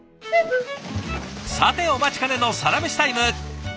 さてお待ちかねのサラメシタイム。